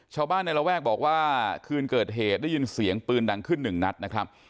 ชาวบ้านในระแวกบอกว่าคืนเกิดเหตุได้ยินเสียงปืนดังขึ้นหนึ่งนัดนะครับ